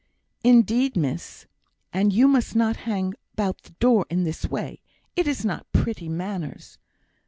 "Indeed, miss, and you must not hang about the door in this way; it is not pretty manners.